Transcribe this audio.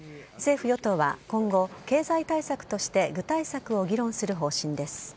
政府・与党は今後、経済対策として具体策を議論する方針です。